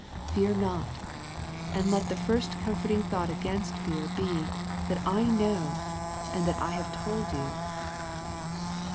Fear not, and let the first comforting thought against fear be that I know and that I have told you.